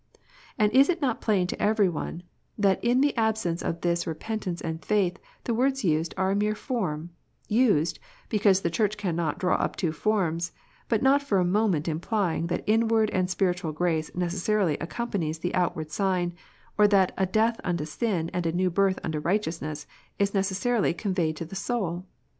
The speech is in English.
And is it not plain to every one that in the absence of this repentance and faith, the words used are a mere form, used, because the Church cannot draw up two forms, but not for a moment implying that inward and spiritual grace necessarily accompanies the outward sign, or that a "death unto sin and a new birth unto righteousness " is necessarily con veyed to the soul